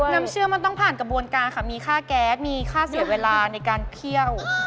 เชื่อมันต้องผ่านกระบวนการค่ะมีค่าแก๊สมีค่าเสียเวลาในการเคี่ยว